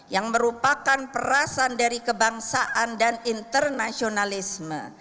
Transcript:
yang merupakan perasan dari kebangsaan dan internasionalisme